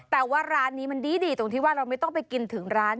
แต่ว่าร้านนี้มันดีตรงที่ว่าเราไม่ต้องไปกินถึงร้าน